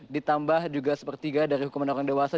ditambah juga satu per tiga dari hukuman orang dewasa